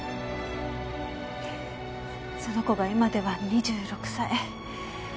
その子が今では２６歳。